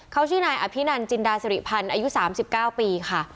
เขาชื่อนายอภินันจินดาสริพันธ์อายุสามสิบเก้าปีค่ะ